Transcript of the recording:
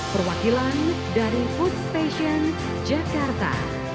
perwakilan dari food station jakarta